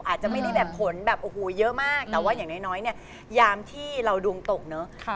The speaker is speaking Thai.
อาจจะไม่ได้แบบผลแบบโอ้โหเยอะมากแต่ว่าอย่างน้อยเนี่ยยามที่เราดวงตกเนอะ